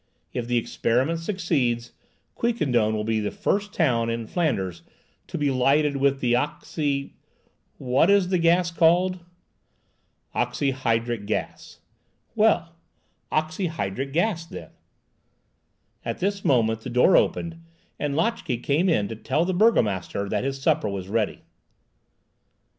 If the experiment succeeds, Quiquendone will be the first town in Flanders to be lighted with the oxy—What is the gas called?" "Oxyhydric gas." "Well, oxyhydric gas, then." At this moment the door opened, and Lotchè came in to tell the burgomaster that his supper was ready.